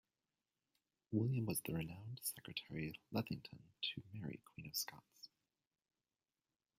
William was the renowned 'Secretary Lethington' to Mary, Queen of Scots.